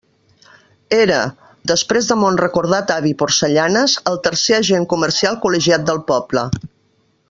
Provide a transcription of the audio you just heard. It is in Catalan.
Era, després de mon recordat avi Porcellanes, el tercer agent comercial col·legiat del poble.